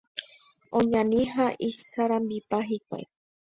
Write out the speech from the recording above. Oñani ha isarambipa hikuái.